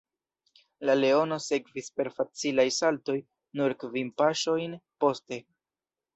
La leono sekvis per facilaj saltoj nur kvin paŝojn poste.